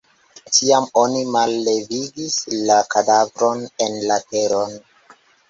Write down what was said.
Tiam oni mallevigis la kadavron en la teron.